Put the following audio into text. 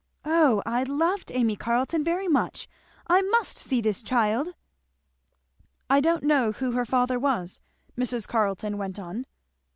O I loved Amy Carleton very much. I must see this child." "I don't know who her father was," Mrs. Carleton went on.